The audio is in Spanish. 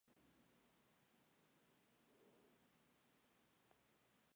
Se cree que la Formación Upper Elliot fue una antigua llanura de inundación.